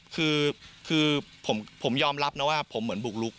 คือผมยอมรับนะว่าผมเหมือนบุกลุก